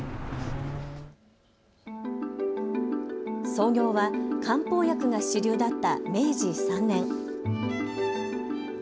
創業は漢方薬が主流だった明治３年。